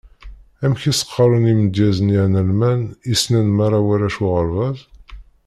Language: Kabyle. Amek i s-qqaren i umedyaz-nni analman i ssnen merra warrac uɣerbaz?